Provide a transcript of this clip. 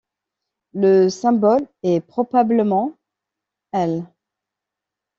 Le symbole est probablement °L.